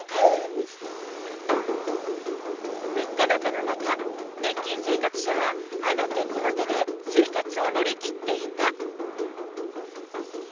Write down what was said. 物価高の中、年金生活者はあの手この手で生活を乗り切っていた。